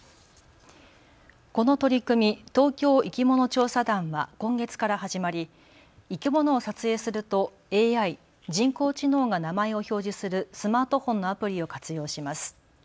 この取り組み、東京いきもの調査団は今月から始まり、生き物を撮影するとＡＩ・人工知能が名前を表示するスマートフォンのアプリを活用します。